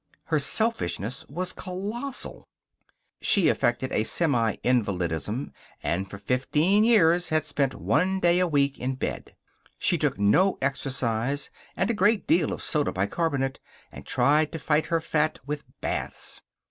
Her selfishness was colossal. She affected a semi invalidism and for fifteen years had spent one day a week in bed. She took no exercise and a great deal of soda bicarbonate and tried to fight her fat with baths.